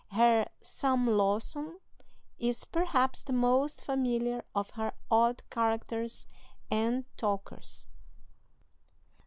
Her "Sam Lawson" is, perhaps, the most familiar of her odd characters and talkers.